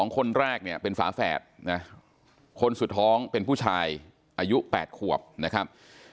คนแรกเนี่ยเป็นฝาแฝดนะคนสุดท้องเป็นผู้ชายอายุ๘ขวบนะครับ